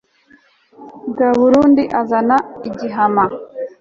Rwaburindi azana igihama